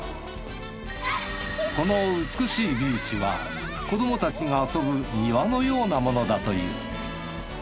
この美しいビーチは子どもたちが遊ぶ庭のようなものだという。